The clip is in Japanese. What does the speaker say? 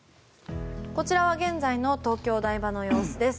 こちらは現在の東京・台場の様子です。